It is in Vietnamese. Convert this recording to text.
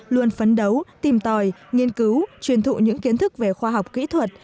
luôn phấn đấu tìm tòi nghiên cứu truyền thụ những kiến thức về khoa học kỹ thuật